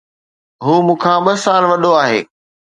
هو مون کان ٻه سال وڏو آهي